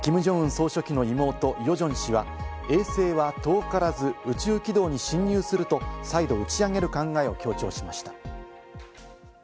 総書記の妹、ヨジョン氏は、衛星は遠からず宇宙軌道に進入すると再度打ち上げる考えを強調しました。